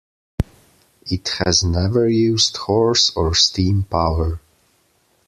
It has never used horse or steam power.